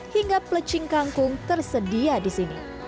hingga pelecing kangkung tersedia di sini